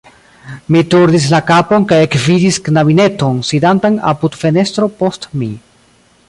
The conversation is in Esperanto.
Mi turnis la kapon kaj ekvidis knabineton, sidantan apud fenestro post mi.